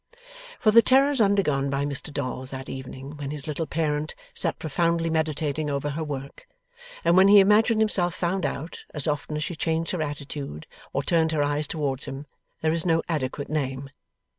For the terrors undergone by Mr Dolls that evening when his little parent sat profoundly meditating over her work, and when he imagined himself found out, as often as she changed her attitude, or turned her eyes towards him, there is no adequate name.